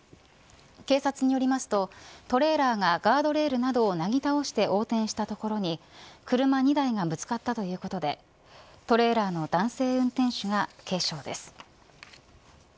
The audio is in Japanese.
警察によりますとトレーラーがガードレールなどをなぎ倒して横転したところに車２台がぶつかったということでトレーラーの男性運転手が軽傷です。